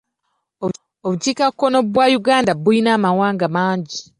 Obukiikakkono bwa Uganda buyina amawanga mangi.